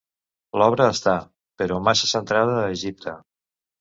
L'obra està, però, massa centrada a Egipte.